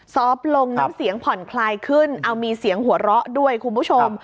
ต์ลงน้ำเสียงผ่อนคลายขึ้นเอามีเสียงหัวเราะด้วยคุณผู้ชม